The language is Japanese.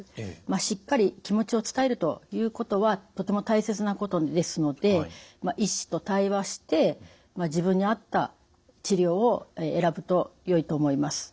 しっかり気持ちを伝えるということはとても大切なことですので医師と対話して自分に合った治療を選ぶとよいと思います。